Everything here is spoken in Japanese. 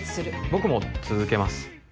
僕も続けます。